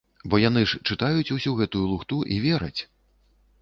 Бо яны ж чытаюць усю гэтую лухту і вераць.